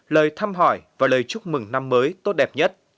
lời thăm hỏi và lời chúc mừng năm mới tốt đẹp nhất